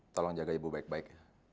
tolong jaga ibu baik baik ya